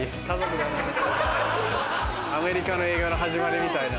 アメリカの映画の始まりみたいな。